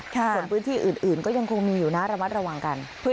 ส่วนพื้นที่อื่นก็ยังคงมีอยู่นะระมัดระวังกัน